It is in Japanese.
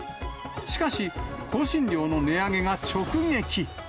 しかし、香辛料の値上げが直撃。